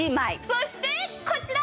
そしてこちら！